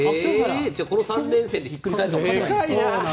じゃあ、この３連戦でひっくり返るかもしれない。